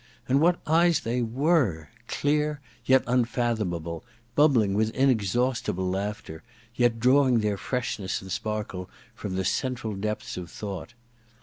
And what eyes they were !— clear yet unfathom able, bubbling with inexhaustible laughter, yet drawing their freshness and sparkle from the central depths of thought